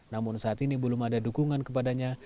namun saat ini belum ada dukungan kepadanya